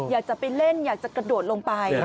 อยากจะไปเล่นอยากจะกระโดดลงไป